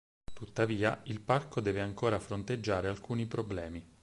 Tuttavia, il parco deve ancora fronteggiare alcuni problemi.